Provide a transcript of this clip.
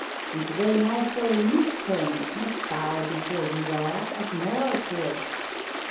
The brain also in its turn must bow before the law of moral force.